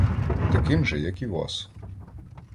Таким же, як і вас.